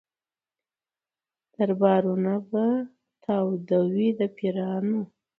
دربارونه به تاوده وي د پیرانو